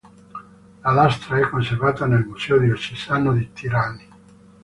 La lastra è conservata nel Museo diocesano di Trani.